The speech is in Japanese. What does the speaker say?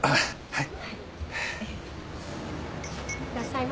はい？